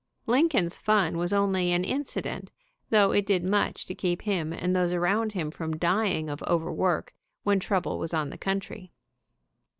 Lincoln's fun was only an incident, though it did much to keep him and those around him from dying of overwork when trouble was on the country.